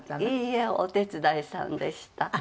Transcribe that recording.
いいえお手伝いさんでした。